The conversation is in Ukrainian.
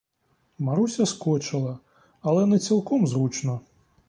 Маруся скочила, але не цілком зручно.